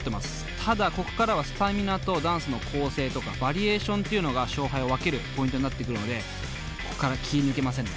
ただここからはスタミナとダンスの構成とかバリエーションっていうのが勝敗を分けるポイントになってくるのでここから気ぃ抜けませんね。